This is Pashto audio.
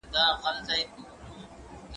دا سپينکۍ له هغه پاکه ده